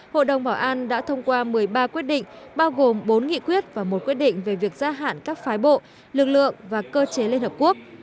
hội đồng bảo an đã thông qua một mươi ba quyết định bao gồm bốn nghị quyết và một quyết định về việc gia hạn các phái bộ lực lượng và cơ chế liên hợp quốc